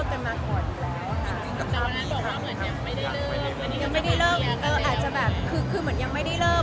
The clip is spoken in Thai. มอบอาจจะเป็นการไม่ได้เช็ค